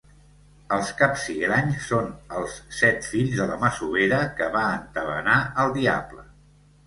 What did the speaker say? Els Capsigranys són els set fills de la masovera que va entabanar el Diable.